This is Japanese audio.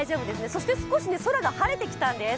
そして、少し空が晴れてきたんです。